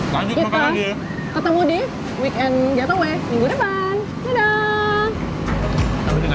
yang rame banget ini